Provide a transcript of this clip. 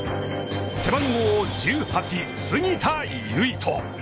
背番号１８、杉田結翔。